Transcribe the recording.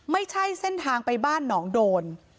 ไม่ใช่เส้นทางไปบ้านหนองโดน